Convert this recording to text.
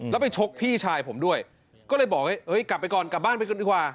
แล้วไปชกพี่ชายผมด้วยก็เลยบอกเฮ้ยกลับไปก่อนกลับบ้านไปก่อนดีกว่า